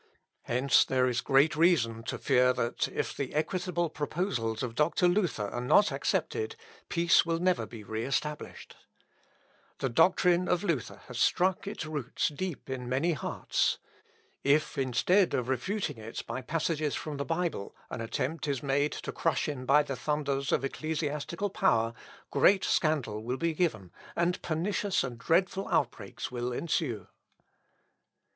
Hence, there is great reason to fear that, if the equitable proposals of Doctor Luther are not accepted, peace will never be re established. The doctrine of Luther has struck its roots deep in many hearts. If, instead of refuting it by passages from the Bible, an attempt is made to crush him by the thunders of ecclesiastical power, great scandal will be given, and pernicious and dreadful outbreaks will ensue."